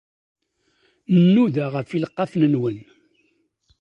Nnuda ɣef ileqqafen-nwen.